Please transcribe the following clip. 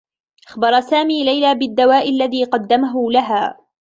أخبر سامي ليلى بالدّواء الذي قدّمه لها.